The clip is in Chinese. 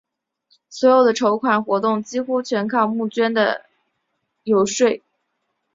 所有的筹款活动几乎全靠募款人的游说。